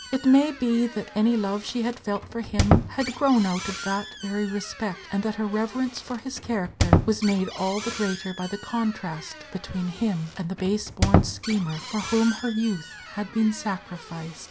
It may be that any love she had felt for him had grown out of that very respect, and that her reverence for his character was made all the greater by the contrast between him and the base born schemer for whom her youth had been sacrificed.